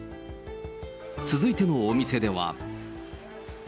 続いてのお店では。